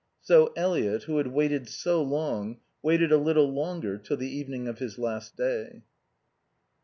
So Eliot, who had waited so long, waited a little longer, till the evening of his last day.